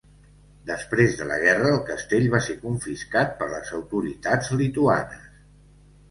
Després de la guerra, el castell va ser confiscat per les autoritats lituanes.